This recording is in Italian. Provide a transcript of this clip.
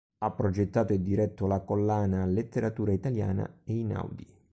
Ha progettato e diretto la collana "Letteratura Italiana Einaudi".